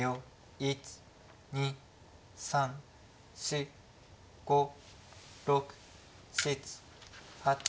１２３４５６７８。